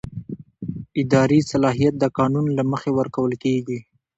اداري صلاحیت د قانون له مخې ورکول کېږي.